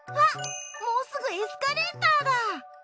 あっもうすぐエスカレーターだ。